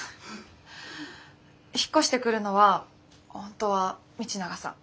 引っ越してくるのは本当は道永さん。